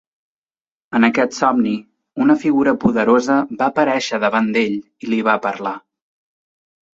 En aquest somni, una figura poderosa va aparèixer davant d'ell i li va parlar.